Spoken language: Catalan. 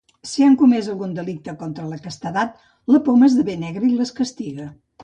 Si han comès algun delicte contra la castedat, la poma esdevé negra i les castiga.